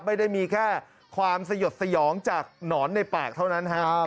ไม่ได้มีแค่ความสยดสยองจากหนอนในปากเท่านั้นฮะ